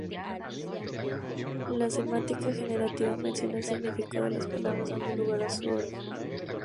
La semántica generativa menciona el significado de las palabras dando lugar a su orden.